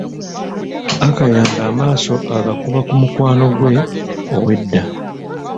Akaya nga amaaso agakuba ku mukwano ggwe ow'edda.